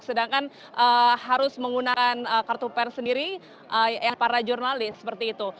sedangkan harus menggunakan kartu per sendiri para jurnalis seperti itu